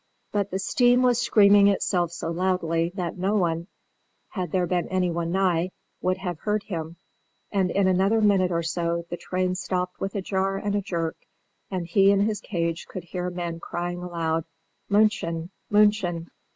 But the steam was screaming itself so loudly that no one, had there been anyone nigh, would have heard him; and in another minute or so the train stopped with a jar and a jerk, and he in his cage could hear men crying aloud, "München! München!"